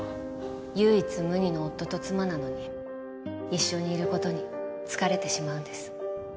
唯一無二の夫と妻なのに一緒にいる事に疲れてしまうんです。